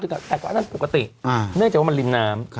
แต่ก็อันนั้นปกติเนื่องจากว่ามันริมน้ำ